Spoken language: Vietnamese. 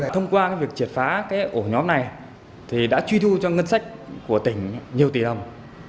thông qua việc triệt phá ổ nhóm này đã truy thu cho ngân sách của tỉnh nhiều tỷ đồng